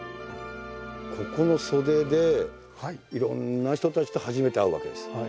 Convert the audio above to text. ここの袖でいろんな人たちと初めて会うわけです。